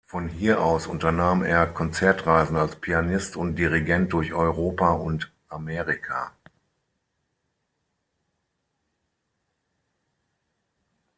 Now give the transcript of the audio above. Von hier aus unternahm er Konzertreisen als Pianist und Dirigent durch Europa und Amerika.